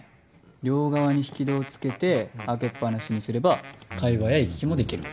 両側に引き戸を付けて開けっ放しにすれば会話や行き来もできる。